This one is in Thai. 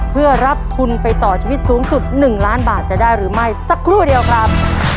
เพื่อรับทุนไปต่อชีวิตสูงสุด๑ล้านบาทจะได้หรือไม่สักครู่เดียวครับ